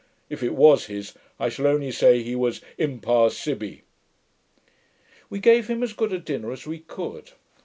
If it was his, I shall only say, he was impar sibi.' We gave him as good a dinner as we could.